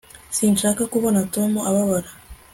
sinshaka kubona tom ababara